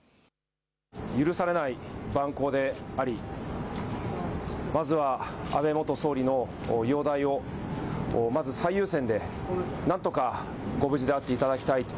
許されない蛮行であり、まずは安倍元総理の容体をまず最優先でなんとかご無事であっていただきたいと。